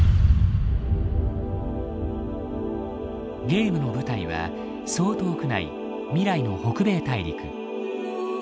ゲームの舞台はそう遠くない未来の北米大陸。